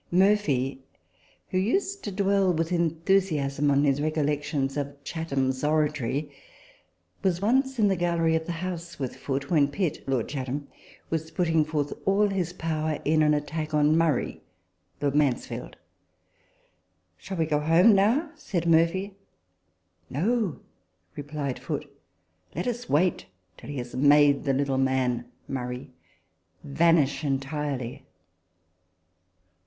Murphy, who used to dwell with enthusiasm on his recollections of Chatham's oratory, was once in the gallery of the House with Foote, when Pitt (Lord Chatham) was putting forth all his power in an attack on Murray (Lord Mansfield). " Shall we go home now ?" said Murray. " No," replied Foote ; "let us wait till he has made the little man (Murray) vanish entirely."